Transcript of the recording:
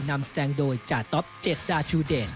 นำแสดงโดยจาต๊อปเจษฎาชูเดช